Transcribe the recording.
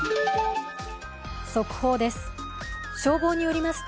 速報です